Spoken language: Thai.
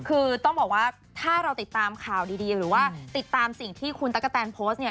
คือต้องบอกว่าถ้าเราติดตามข่าวดีหรือว่าติดตามสิ่งที่คุณตั๊กกะแตนโพสต์เนี่ย